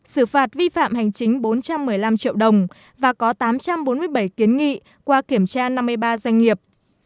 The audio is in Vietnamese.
xử phạt vi phạm hành chính bốn trăm một mươi năm triệu đồng và có tám trăm bốn mươi bảy kiến nghị qua kiểm tra năm mươi ba doanh nghiệp